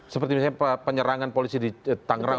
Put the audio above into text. seperti misalnya penyerangan polisi di tangerang